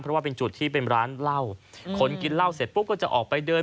เพราะว่าเป็นจุดที่เป็นร้านเหล้าคนกินเหล้าเสร็จปุ๊บก็จะออกไปเดิน